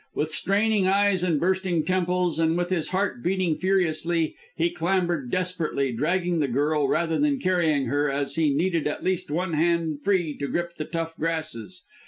With straining eyes and bursting temples, and with his heart beating furiously, he clambered desperately, dragging the girl rather than carrying her, as he needed at least one hand free to grip the tough grasses.